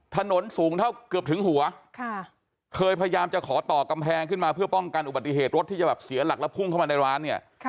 ถนนสูงเท่าเกือบถึงหัวเคยพยายามจะขอต่อกำแพงขึ้นมาเพื่อป้องกันอุบัติเหตุรถที่จะแบบเสียหลักแล้วพุ่งเข้ามาในร้านเนี่ย